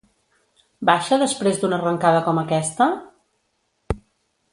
Baixa després d'una arrencada com aquesta?